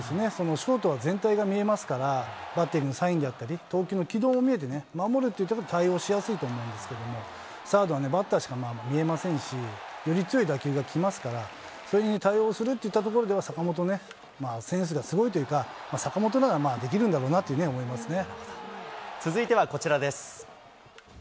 ショートは全体が見えますから、バッテリーのサイン、投球の軌道も見えて守ると対応しやすいんですけれども、サードはバッターしか見えませんし、より強い打球が来ますから、それに対応するといったところでは、坂本はセンスがすごいというか、坂本ならできるんだろうなというふうに思いますね。